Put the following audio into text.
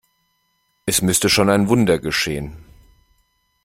Es müsste schon ein Wunder geschehen.